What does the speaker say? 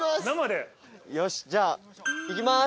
よしじゃあ行きます。